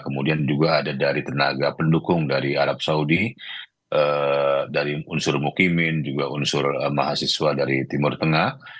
kemudian juga ada dari tenaga pendukung dari arab saudi dari unsur mukimin juga unsur mahasiswa dari timur tengah